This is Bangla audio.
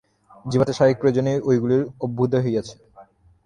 জীবাত্মার স্বাভাবিক প্রয়োজনেই ঐগুলির অভ্যুদয় হইয়াছে।